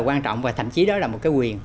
quan trọng và thậm chí đó là một cái quyền